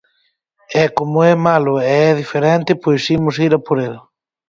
E como é malo e é diferente, pois imos ir a por el.